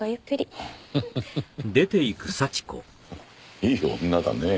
いい女だねぇ。